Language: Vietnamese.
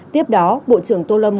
tiếp đó bộ trưởng tô lâm